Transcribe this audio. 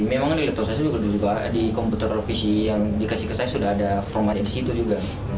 memang di laptop saya juga di komputer atau pc yang dikasih ke saya sudah ada formatnya disitu juga